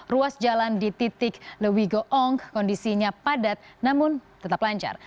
ruas jalan di titik lewigo ong kondisinya padat namun tetap lancar